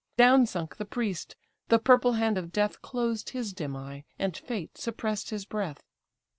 Down sunk the priest: the purple hand of death Closed his dim eye, and fate suppress'd his breath.